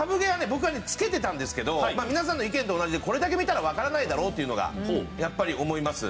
僕はねつけてたんですけど皆さんの意見と同じでこれだけ見たらわからないだろうっていうのがやっぱり思います。